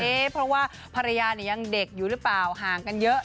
เพราะว่าภรรยาเนี่ยยังเด็กอยู่หรือเปล่าห่างกันเยอะ